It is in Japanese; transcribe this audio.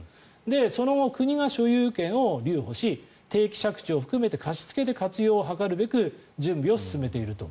その後、国が所有権を留保し定期借地を含めて貸し付けで活用を図るべく準備を進めていると。